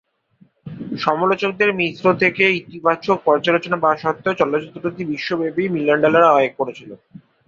সমালোচকদের মিশ্র-থেকে-ইতিবাচক পর্যালোচনা পাওয়া সত্ত্বেও, চলচ্চিত্রটি বিশ্বব্যাপী মিলিয়ন ডলার আয় করেছিল।